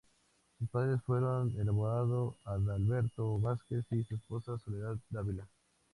Sus padres fueron el abogado Adalberto Vázquez y su esposa Soledad Dávila.